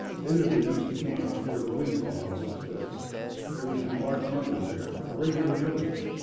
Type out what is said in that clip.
Later they used to camp where the Winslow house was built. There would be large numbers there, a regular village.